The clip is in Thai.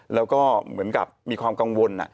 แล้วก็เหมือนกับมีความกังวล